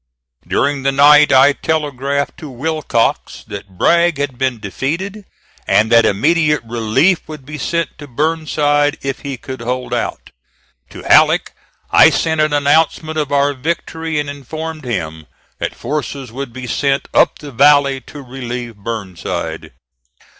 During the night I telegraphed to Willcox that Bragg had been defeated, and that immediate relief would be sent to Burnside if he could hold out; to Halleck I sent an announcement of our victory, and informed him that forces would be sent up the valley to relieve Burnside.